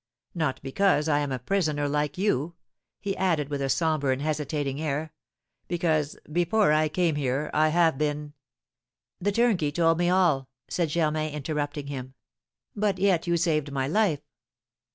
Not because I am a prisoner like you," he added, with a sombre and hesitating air, "because, before I came here, I have been " "The turnkey told me all," said Germain, interrupting him; "but yet you saved my life."